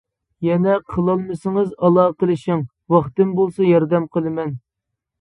يەنە قىلالمىسىڭىز ئالاقىلىشىڭ ۋاقتىم بولسا ياردەم قىلىمەن.